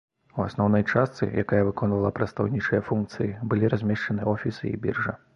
У асноўнай частцы, якая выконвала прадстаўнічыя функцыі, былі размешчаны офісы і біржа.